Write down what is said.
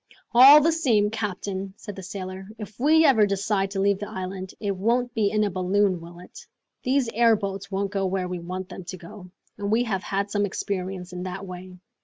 "All the same, captain," said the sailor, "if we ever decide to leave the island, it won't be in a balloon, will it? These airboats won't go where we want them to go, and we have had some experience in that way!